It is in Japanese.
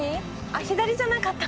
あっ左じゃなかった。